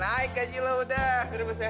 ha ha naik gaji lo udah berapa ini